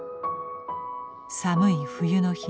寒い冬の日